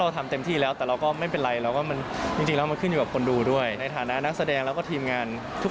ค่ะไม่เป็นไรนะคะ